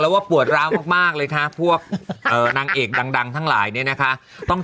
ว่าปวดร้าวมากเลยค่ะพวกนางเอกดังทั้งหลายเนี่ยนะคะต้อง